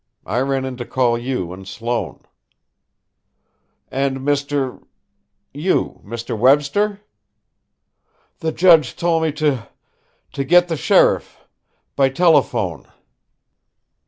I ran in to call you and Sloane." "And Mr. you, Mr. Webster?" "The judge told me to to get the sheriff by telephone."